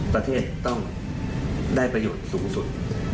ประเทศต้องได้ประโยชน์สูงสุด